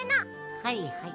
はいはい。